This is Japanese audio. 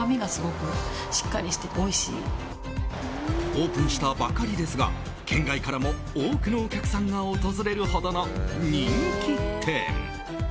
オープンしたばかりですが県外からも多くのお客さんが訪れるほどの人気店。